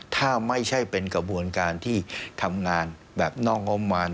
ถ้าไม่ใช่เป็นกระบวนการที่ทำงานแบบนอกงบมาร